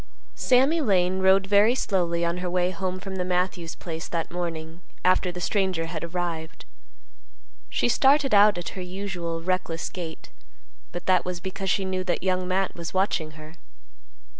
Sammy Lane rode very slowly on her way home from the Matthews place that morning after the stranger had arrived. She started out at her usual reckless gait, but that was because she knew that Young Matt was watching her.